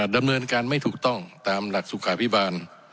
ดำเนินการไม่ถูกต้องตามหลักสุขาพิบาล